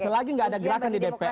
selagi nggak ada gerakan di dpr